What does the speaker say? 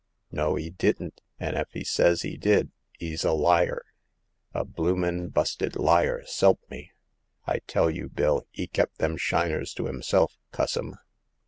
"" No, 'e didn't ; an' ef 'e ses 'e did, 'e's a liar — a bloomin* busted Har, s'elp me! I tell you. Bill, *e kep' them shiners to 'imself, cuss im